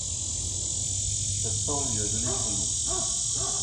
Sa forme lui a donné son nom.